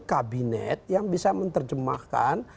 kabinet yang bisa menerjemahkan